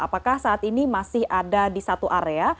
apakah saat ini masih ada di satu area